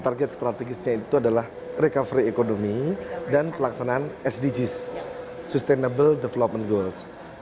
target strategisnya itu adalah recovery ekonomi dan pelaksanaan sdgs sustainable development goals